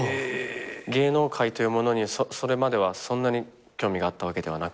芸能界というものにはそれまではそんなに興味があったわけではなく？